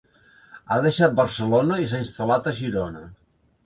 Ha deixat Barcelona i s'ha instal·lat a Girona.